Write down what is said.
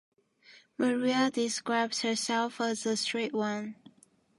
Maria describes herself as "the straight one".